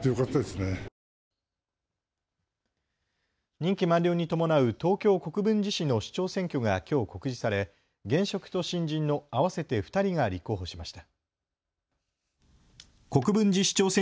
任期満了に伴う東京国分寺市の市長選挙がきょう告示され、現職と新人の合わせて２人が立候補しました。